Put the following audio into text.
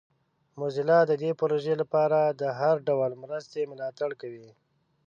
موزیلا د دې پروژې لپاره د هر ډول مرستې ملاتړ کوي.